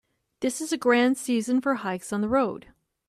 This is a grand season for hikes on the road.